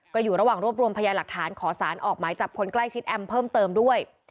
ก็อยู่ระหว่างรวบรวมพยาหลักฐานขอสารออกหมายจับคนใกล้ชิดแอมเพิ่มเติมด้วย